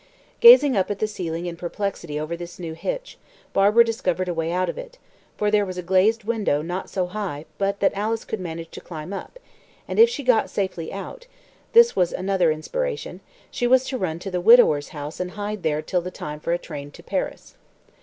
Gazing up at the ceiling in perplexity over this new hitch, Barbara discovered a way out of it, for there was a glazed window not so high but that Alice could manage to climb up, and if she got safely out (this was another inspiration), she was to run to the widower's house and hide there till the time for a train to Paris.